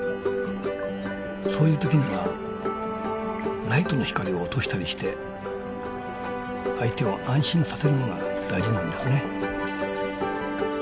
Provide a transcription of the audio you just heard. そういう時にはライトの光を落としたりして相手を安心させるのが大事なんですね。